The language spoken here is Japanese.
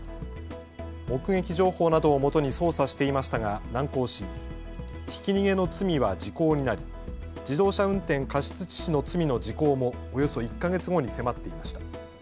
目撃情報などをもとに捜査していましたが難航し、ひき逃げの罪は時効になり自動車運転過失致死の罪の時効もおよそ１か月後に迫っていました。